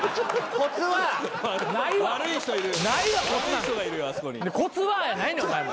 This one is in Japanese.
「コツは」やないねんお前も。